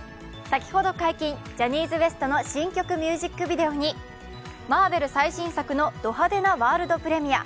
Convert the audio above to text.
先ほど解禁、ジャニーズＷＥＳＴ、新曲ミュージックビデオにマーベル最新作のド派手なワールドプレミア。